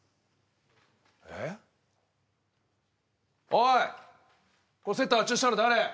おいこれセット発注したの誰？